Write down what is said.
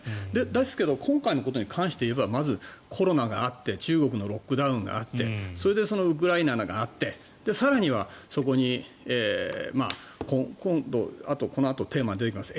ですけど今回のことに関して言えばまず、コロナがあって中国のロックダウンがあってそれでウクライナなんかがあって更にはそこに今度はこのあとテーマで出てきます